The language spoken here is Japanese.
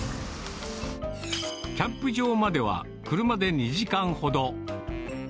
キャンプ場までは、車で２時間ほど。